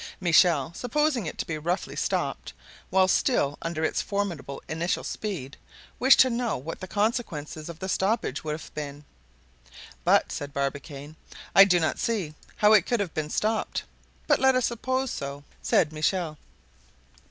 Michel, supposing it to be roughly stopped, while still under its formidable initial speed, wished to know what the consequences of the stoppage would have been. "But," said Barbicane, "I do not see how it could have been stopped." "But let us suppose so," said Michel.